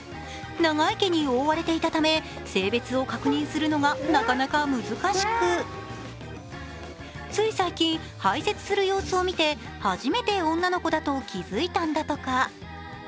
長い毛に覆われていたため性別を確認するのが、なかなか難しく、つい最近、排せつする様子を見て初めて女の子だと気づいたんだとか。